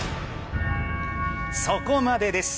そこまでです。